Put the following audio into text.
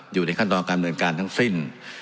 อยู่ในขั้นตอนการดำเนินการทั้งสิ้น